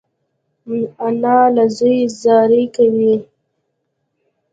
انا له زوی زاری کوي